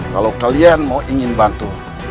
kalau kalian ingin bantu